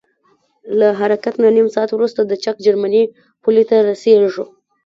له حرکت نه نیم ساعت وروسته د چک جرمني پولې ته رسیږو.